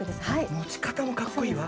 もちかたもかっこいいわ。